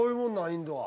インドは。